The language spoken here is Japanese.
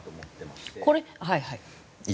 これはいはい。